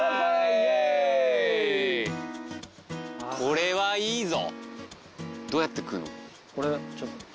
これはいいぞ！